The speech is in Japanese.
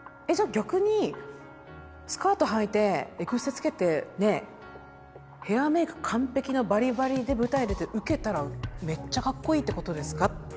逆にスカートはいてエクステつけてヘアメーク完璧なバリバリで舞台出てウケたらめっちゃかっこいいってことですか？